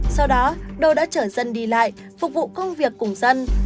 sau đó đô đã trở dân đi lại phục vụ công việc cùng dân